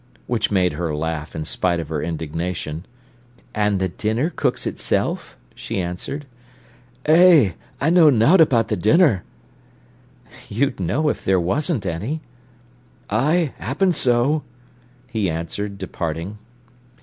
Which made her laugh, in spite of her indignation. "And the dinner cooks itself?" she answered. "Eh, I know nowt about th' dinner." "You'd know if there weren't any." "Ay, 'appen so," he answered, departing.